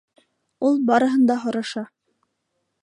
Ул барыһын да һораша.